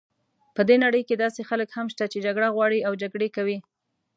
په دې نړۍ کې داسې خلک هم شته چې جګړه غواړي او جګړې کوي.